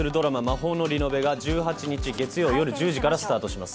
『魔法のリノベ』が１８日月曜夜１０時からスタートします。